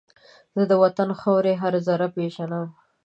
زه د وطن د خاورې هر زره پېژنم